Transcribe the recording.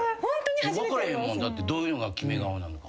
分かれへんもんだってどういうのがキメ顔なのか。